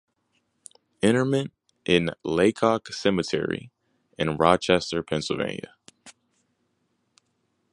Interment in Lacock Cemetery in Rochester, Pennsylvania.